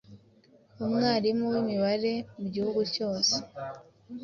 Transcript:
Umwarimu w'imibare mugihugu cyose